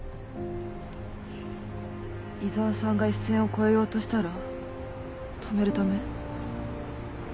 井沢さんが一線を越えようとしたら止めるため？